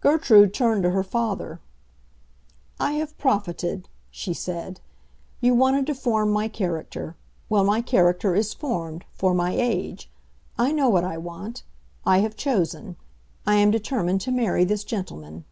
Gertrude turned to her father. "I have profited," she said. "You wanted to form my character. Well, my character is formed—for my age. I know what I want; I have chosen. I am determined to marry this gentleman."